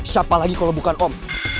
siapa lagi kalau bukan om